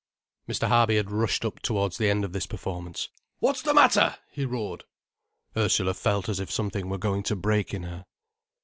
Mr. Harby had rushed up towards the end of this performance. "What's the matter?" he roared. Ursula felt as if something were going to break in her.